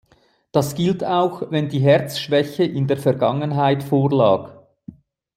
Das gilt auch, wenn die Herzschwäche in der Vergangenheit vorlag.